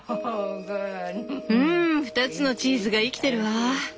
うん２つのチーズが生きてるわ。